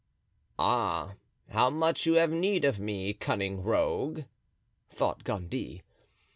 "Ah! how much you have need of me, cunning rogue!" thought Gondy.